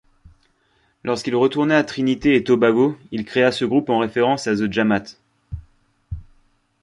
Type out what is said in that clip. Lorsqu'il retourna à Trinité-et-Tobago, il créa ce groupe en référence à The Jamaat.